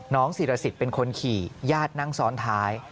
ศิรสิทธิ์เป็นคนขี่ญาตินั่งซ้อนท้าย